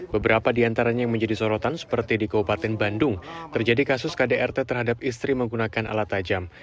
beberapa di antaranya yang menjadi sorotan seperti di kabupaten bandung terjadi kasus kdrt terhadap istri menggunakan alat tajam